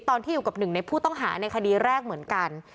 ตอนที่อยู่กับหนึ่งในผู้ต้องหาในคดีแรกเหมือนกัน